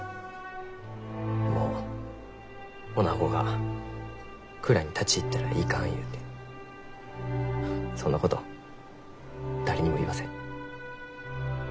もうおなごが蔵に立ち入ったらいかんゆうてそんなこと誰にも言わせん。